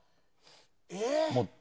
えっ？